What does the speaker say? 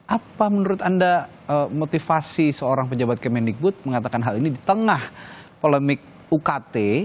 apa menurut anda motivasi seorang pejabat kemendikbud mengatakan hal ini di tengah polemik ukt